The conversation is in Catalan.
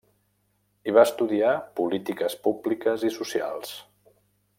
Hi va estudiar Polítiques Publiques i Socials.